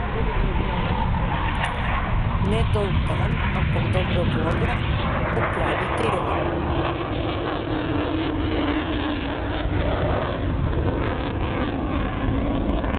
Ne dolg dan, ampak dobra volja opravi delo.